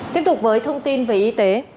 tiếp tục với thông tin về y tế